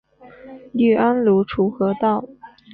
隶安庐滁和道。